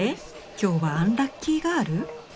今日はアンラッキーガール？